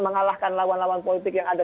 mengalahkan lawan lawan politik yang ada